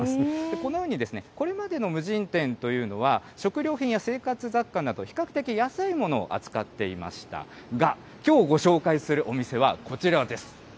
このように、これまでの無人店というのは、食料品や生活雑貨など、比較的安いものを扱っていましたが、きょうご紹介するお店はこちらです。